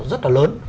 rất là lớn